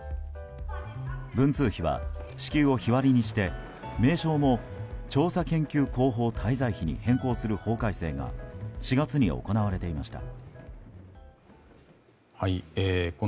文通費は支給を日割りにして名称も調査研究広報滞在費に変更する法改正が４月に行われていました。